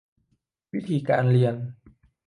วิธีการเรียน